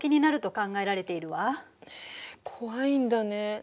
えっ怖いんだね。